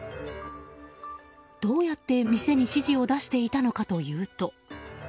どうやって店に指示を出していたのかというと。